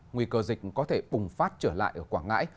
nguy cơ dịch có thể bùng phát trở lại ở quảng ngãi